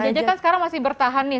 ayah jajah kan sekarang masih bertahan nih